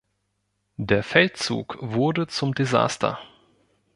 Der Feldzug wurde zum Desaster.